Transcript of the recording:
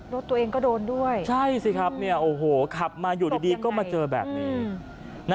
รถตัวเองก็โดนด้วยใช่สิครับเนี่ยโอ้โหขับมาอยู่ดีก็มาเจอแบบนี้